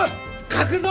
書くぞ！